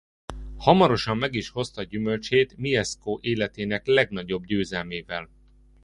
Hamarosan meg is hozta gyümölcsét Mieszko életének legnagyobb győzelmével.